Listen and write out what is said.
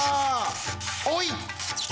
おい！